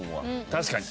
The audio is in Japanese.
確かに。